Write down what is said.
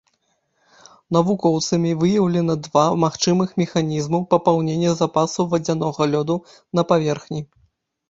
Навукоўцамі выяўлена два магчымых механізму папаўнення запасаў вадзянога лёду на паверхні.